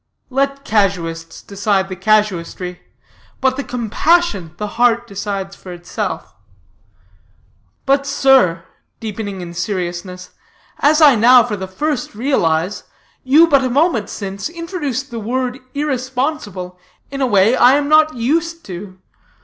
"Let casuists decide the casuistry, but the compassion the heart decides for itself. But, sir," deepening in seriousness, "as I now for the first realize, you but a moment since introduced the word irresponsible in a way I am not used to.